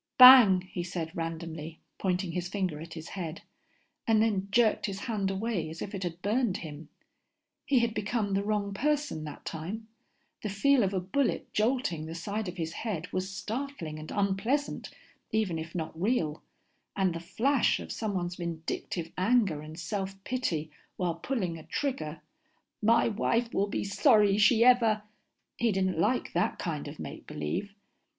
"Bang," he said randomly, pointing his finger at his head, and then jerked his hand away as if it had burned him. He had become the wrong person that time. The feel of a bullet jolting the side of his head was startling and unpleasant, even if not real, and the flash of someone's vindictive anger and self pity while pulling a trigger.... My wife will be sorry she ever.... He didn't like that kind of make believe.